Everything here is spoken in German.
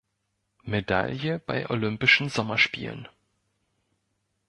Medaille bei Olympischen Sommerspielen.